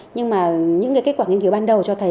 nhưng mà những kết quả nghiên cứu ban đầu cho thấy